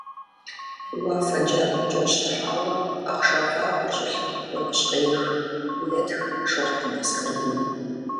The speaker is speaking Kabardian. «Уафэ джабэм кӀэрыщтхьауэ Ахъшэм вагъуэр щӀылъэм къыхуонэщхъеих», - етх Шортэн Аскэрбий.